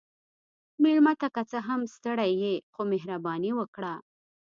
مېلمه ته که څه هم ستړی يې، خو مهرباني وکړه.